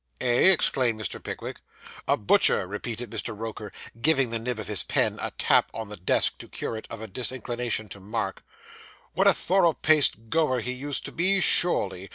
'Eh?' exclaimed Mr. Pickwick. 'A butcher,' repeated Mr. Roker, giving the nib of his pen a tap on the desk to cure it of a disinclination to mark. 'What a thorough paced goer he used to be sure ly!